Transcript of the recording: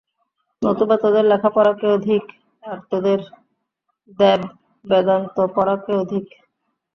নতুবা তোদের লেখাপড়াকেও ধিক, আর তোদের বেদবেদান্ত পড়াকেও ধিক।